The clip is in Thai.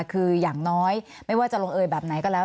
คืออย่างน้อยไม่ว่าจะลงเอยแบบไหนก็แล้ว